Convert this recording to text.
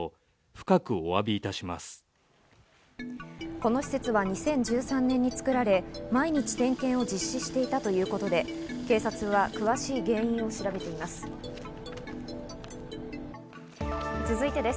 この施設は２０１３年に造られ、毎日点検を実施していたということで、警察は詳しい原因を調べています。